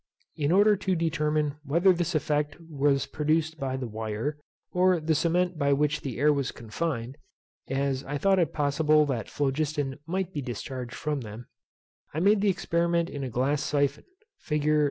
In order to determine whether this effect was produced by the wire, or the cement by which the air was confined (as I thought it possible that phlogiston might be discharged from them) I made the experiment in a glass syphon, fig.